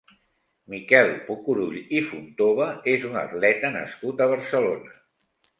Miquel Pucurull i Fontova és un atleta nascut a Barcelona.